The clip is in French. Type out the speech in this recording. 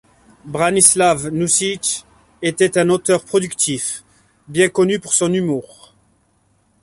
Branislav Nušić était un auteur productif, bien connu pour son humour.